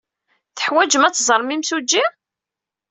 Teḥwajem ad teẓrem imsujji?